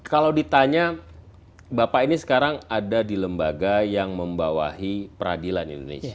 kalau ditanya bapak ini sekarang ada di lembaga yang membawahi peradilan indonesia